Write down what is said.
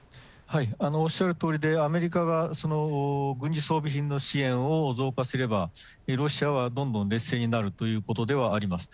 おっしゃるとおりで、アメリカが軍事装備品の支援を増加すれば、ロシアはどんどん劣勢になるということではあります。